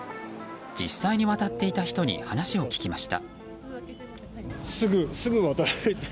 実際に渡っていた人に話を聞きました。